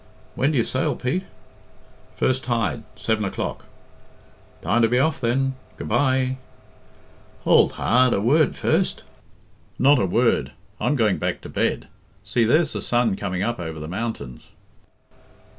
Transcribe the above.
"When do you sail, Pete?" "First tide seven o'clock." "Time to be off, then. Good bye!" "Hould hard a word first." "Not a word. I'm going back to bed. See, there's the sun coming up over the mountains."